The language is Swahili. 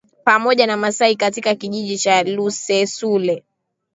Pamoja na Masasi katika Kijiji cha Lusesule